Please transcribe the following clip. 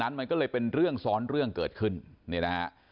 มันก็เลยเป็นเรื่องซ้อนเรื่องเกิดขึ้นเนี่ยนะฮะ